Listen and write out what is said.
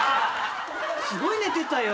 すごい寝てたよ。